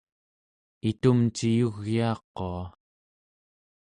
itumciyugyaaqua